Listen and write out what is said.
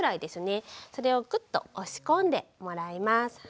それをクッと押し込んでもらいます。